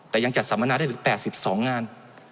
แต่ยังจัดสัมมนาได้หรือ๘๒งาน